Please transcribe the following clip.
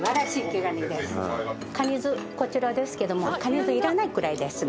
かに酢こちらですけどもかに酢いらないくらいですね。